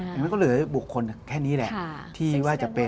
แต่มันก็เหลือบุคคลแค่นี้แหละที่ว่าจะเป็น